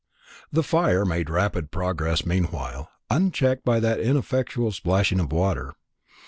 The fire made rapid progress meanwhile, unchecked by that ineffectual splashing of water.